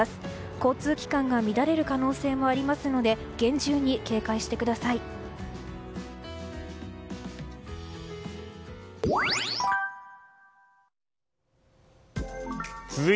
交通機関が乱れる可能性もありますので厳重に警戒してください。